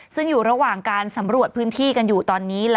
ซึ่งอยู่ระหว่างการสำรวจพื้นที่กันอยู่ตอนนี้